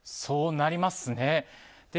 そうなりますね。